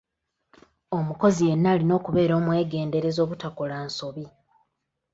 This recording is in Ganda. Omukozi yenna alina okubeera omwegendereza obutakola nsobi.